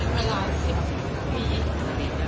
เป็นเวลา๑๐ปี